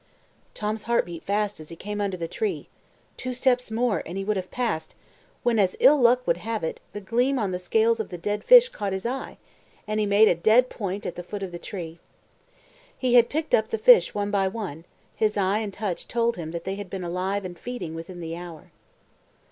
Tom's heart beat fast as he came under the tree; two steps more and he would have passed, when, as ill luck would have it, the gleam on the scales of the dead fish caught his eye, and he made a dead point at the foot of the tree. He picked up the fish one by one; his eye and touch told him that they had been alive and feeding within the hour.